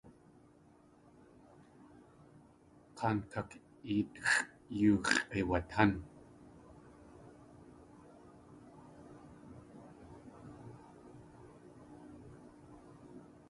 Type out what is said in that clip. K̲aankak.eetxʼ yoo x̲ʼeiwatán.